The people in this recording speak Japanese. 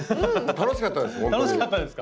楽しかったですか。